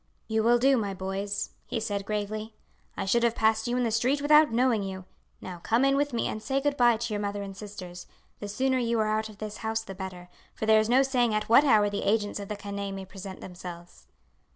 "You will do, my boys," he said gravely. "I should have passed you in the street without knowing you. Now come in with me and say good bye to your mother and sisters. The sooner you are out of this house the better, for there is no saying at what hour the agents of the canaille may present themselves."